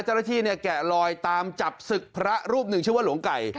จะเมื่อกี้แกะรอยตามจับศึกพระรูปหนึ่งชื่อว่าหลงไก่